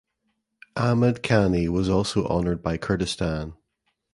Ahmad Khani was also honoured by "Kurdistan".